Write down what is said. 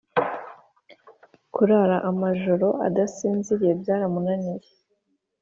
kurara amajoro adasinziriye byaramunaniye